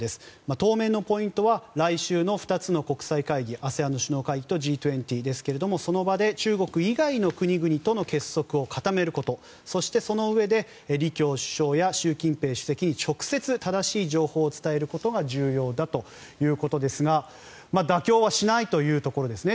当面のポイントは来週の２つの国際会議ＡＳＥＡＮの首脳会議とＧ２０ですがその場で中国以外の国との結束も固めることそして、そのうえで李強首相や習近平主席に直接正しい情報を伝えることが重要だということですが妥協はしないというところですね